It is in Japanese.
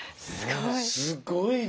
すごい。